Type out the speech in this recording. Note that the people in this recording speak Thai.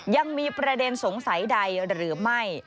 ยังมีประเด็นสงสัยใดหรือไม่